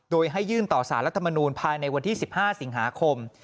โดยให้ยื่นต่อสารรัฐมนูลภายในวันที่๑๕สิงหาคม